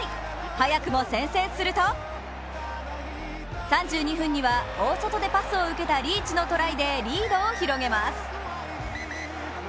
早くも先制すると、３２分には大外でパスを受けたリーチのトライでリードを広げます。